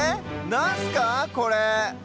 なんすかこれ？